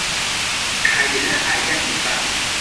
Kaj la alia infano?